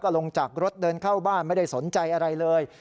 ลงจากรถเดินเข้าบ้านไม่ได้สนใจอะไรเลย